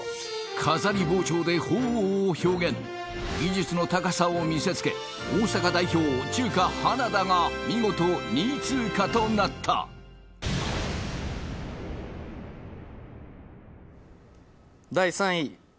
飾り包丁でほうおうを表現技術の高さを見せつけ大阪代表中華花田が見事２位通過となった第３位